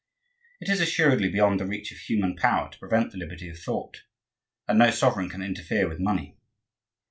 It is, assuredly, beyond the reach of human power to prevent the liberty of thought; and no sovereign can interfere with money.